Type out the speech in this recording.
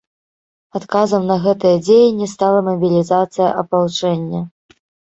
Адказам на гэтыя дзеянні стала мабілізацыя апалчэння.